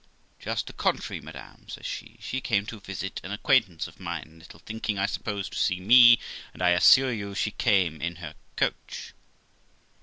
'Just the contrary, madam' says she. 'She came to visit an acquaintance of mine, little thinking, I suppose, to see me, and, I assure you, she came in her coach.'